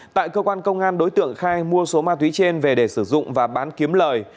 tại cơ quan công an đối tượng khai mua số ma túy trên về để sử dụng và bán kiếm lời